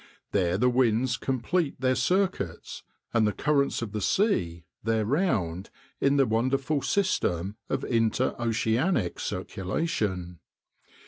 There the winds complete their circuits, and the currents of the sea their round in the wonderful system of interoceanic circulation.